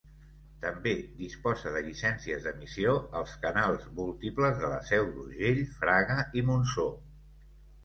També disposa de llicències d'emissió als canals múltiples de La Seu d'Urgell, Fraga i Monsó.